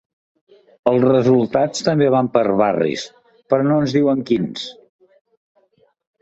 Els resultats també van per barris, però no ens diuen quins.